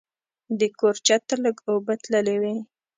د کور چت ته لږ اوبه تللې وې.